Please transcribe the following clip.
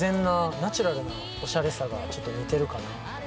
ナチュラルなおしゃれさがちょっと似てるかなと。